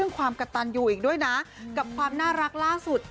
ฉิ้มความน่ารักล่ะสุดทำงานเก็บเองง่ายให้คุณแม่